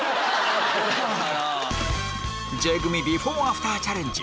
Ｊ組ビフォーアフターチャレンジ